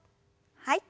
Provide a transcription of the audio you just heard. はい。